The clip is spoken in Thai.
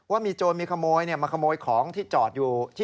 ว่ามีโจรมีขโมยมาขโมยของที่จอดอยู่ที่